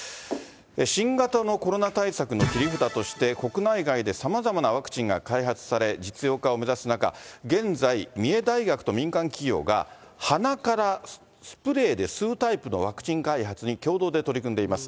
新型のコロナ対策の切り札として、国内外でさまざまなワクチンが開発され、実用化を目指す中、現在、三重大学と民間企業が、鼻からスプレーで吸うタイプのワクチン開発に共同で取り組んでいます。